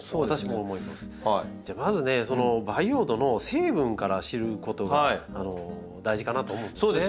じゃあまずねその培養土の成分から知ることが大事かなと思うんですね。